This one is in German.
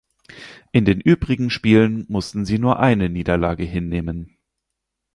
In den übrigen Spielen mussten sie nur eine Niederlage hinnehmen.